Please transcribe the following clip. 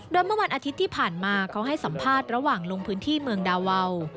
โดยเมื่อวันอาทิตย์ที่ผ่านมาเขาให้สัมภาษณ์ระหว่างลงพื้นที่เมืองดาวาว